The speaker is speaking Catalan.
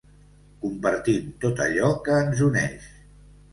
Compartint tot allò que ens uneix.